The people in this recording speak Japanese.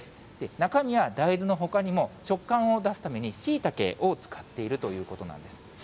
中身は大豆のほかにも、食感を出すためにしいたけを使っているということなんです。